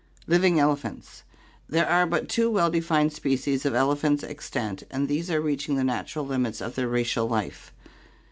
Living Elephants. — There are but two well defined species of elephants extant and these are reaching the natural limits of their racial life.